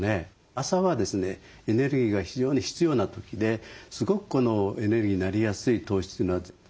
朝はですねエネルギーが非常に必要な時ですごくエネルギーになりやすい糖質というのは絶対とって頂きたいと。